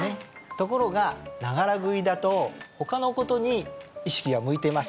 ところがながら食いだと他のことに意識が向いています